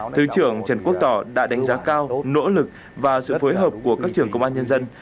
thứ trưởng trần quốc tỏ đã đánh giá cao nỗ lực và sự phối hợp của các trưởng công an nhân dân